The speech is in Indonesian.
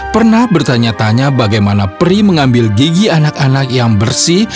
pernah bertanya tanya bagaimana pri mengambil gigi anak anak yang bersih